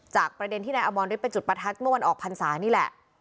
ประเด็นที่นายอมรฤทธิไปจุดประทัดเมื่อวันออกพรรษานี่แหละ